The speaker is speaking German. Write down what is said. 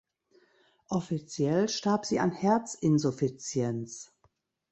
Offiziell starb sie an Herzinsuffizienz.